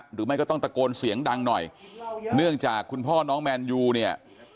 หรือไม่ก็ต้องตะโกนเสียงดังหน่อยเนื่องจากคุณพ่อน้องแมนยูเนี่ย